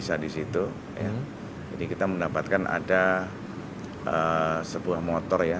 bahwa sudah ada titik terang